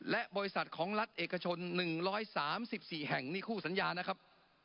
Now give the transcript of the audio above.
และบริษัทของรัฐเอกชน๑๓๔แห่งนี่คู่สัญญานะครับ